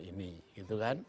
ini gitu kan